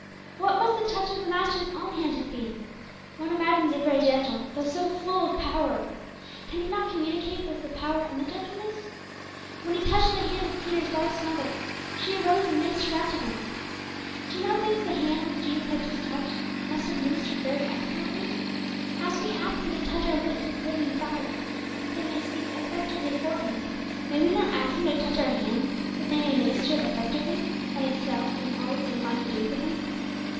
What must the touch of the Master's own hand have been! One imagines it very gentle, though so full of power. Can He not communicate both the power and the gentleness? When He touched the hand of Peter's wife's mother, she arose and ministered unto them. Do you not think the hand which Jesus had just touched must have ministered very excellently? As we ask Him to 'touch our lips with living fire,' so that they may speak effectively for Him, may we not ask Him to touch our hands, that they may minister effectively, and excel in all that they find to do for Him?